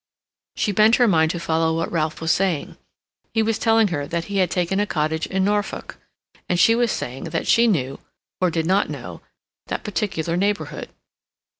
She bent her mind to follow what Ralph was saying. He was telling her that he had taken a cottage in Norfolk, and she was saying that she knew, or did not know, that particular neighborhood.